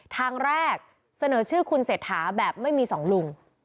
ทางแรกเสนอชื่อคุณเศรษฐาแบบไม่มีสองลุง